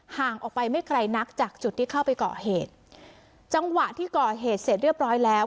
ห่างออกไปไม่ไกลนักจากจุดที่เข้าไปก่อเหตุจังหวะที่ก่อเหตุเสร็จเรียบร้อยแล้ว